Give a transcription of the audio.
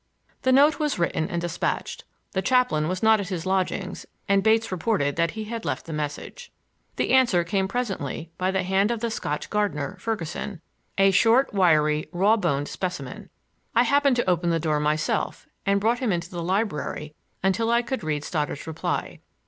The note was written and despatched. The chaplain was not at his lodgings, and Bates reported that he had left the message. The answer came presently by the hand of the Scotch gardener, Ferguson, a short, wiry, raw boned specimen. I happened to open the door myself, and brought him into the library until I could read Stoddard's reply.